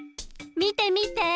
みてみて！